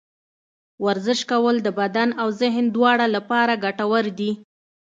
ورزش کول د بدن او ذهن دواړه لپاره ګټور دي.